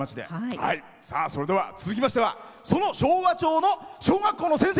それでは続きましてはその昭和町の小学校の先生。